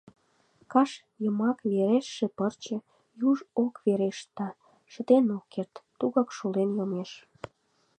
Каш йымак верештше пырче, юж ок верешт да, шытен ок керт, тугак шулен йомеш.